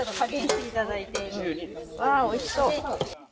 わあ、おいしそう！